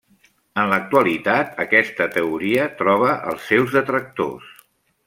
En l'actualitat aquesta teoria troba els seus detractors.